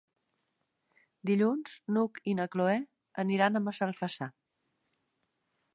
Dilluns n'Hug i na Cloè aniran a Massalfassar.